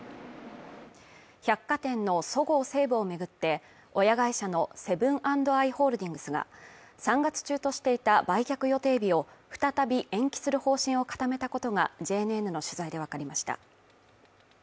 百貨店のそごう・西武を巡って、親会社のセブン＆アイ・ホールディングスが３月中としていた売却予定日を再び延期する方針を固めたことが、ＪＮＮの取材でわかりました。